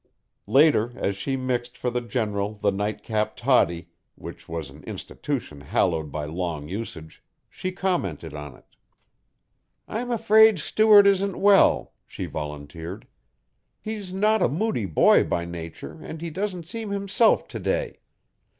Later as she mixed for the General the night cap toddy, which was an institution hallowed by long usage, she commented on it. "I'm afraid Stuart isn't well," she volunteered. "He's not a moody boy by nature, and he doesn't seem himself to day.